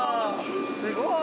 すごい！